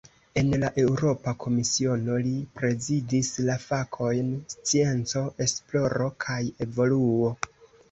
En la Eŭropa Komisiono, li prezidis la fakojn "scienco, esploro kaj evoluo".